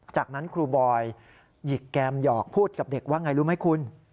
จากนั้นครูบอยหยิกแกมหยอกพูดกับเด็กว่าไงรู้ไหมคุณ